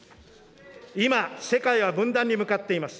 今、世界は分断に向かっています。